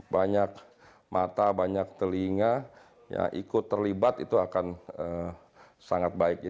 banyak mata banyak telinga yang ikut terlibat itu akan sangat baik